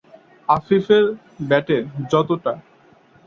আফিফের ব্যাটে যতটা